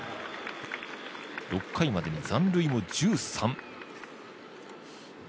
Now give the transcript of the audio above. ６回までに残塁も１３。